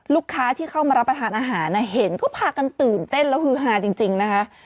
ลูกค้าที่เข้ามารับประทานอาหารเห็นก็พากันตื่นเต้นแล้วฮือฮาจริงนะคะ